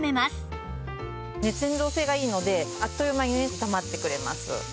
熱伝導性がいいのであっという間にね炒まってくれます。